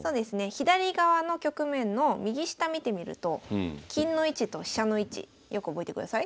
左側の局面の右下見てみると金の位置と飛車の位置よく覚えてください。